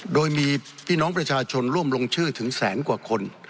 โดยมีพี่น้องประชาชนร่วมลงชื่อถึงแสนกว่าคน